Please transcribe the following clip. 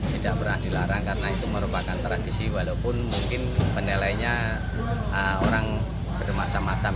tidak pernah dilarang karena itu merupakan tradisi walaupun mungkin penilainya orang bermacam macam